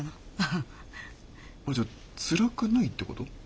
あっじゃあつらくないってこと？